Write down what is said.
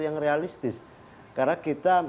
yang realistis karena kita